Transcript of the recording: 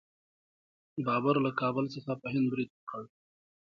بابر له کابل څخه په هند برید وکړ.